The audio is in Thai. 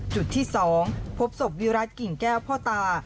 จุดที่๒พบศพวิรัติกิ่งแก้วพ่อตา